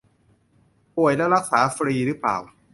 ป่วยแล้วรักษาฟรีหรือเปล่า